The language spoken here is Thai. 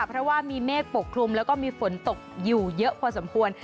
เพราะว่ามีเมฆปกคลุมแล้วก็มีฝนตกอยู่เยอะพอสมควร